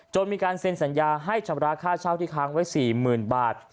มีการเซ็นสัญญาให้ชำระค่าเช่าที่ค้างไว้๔๐๐๐บาท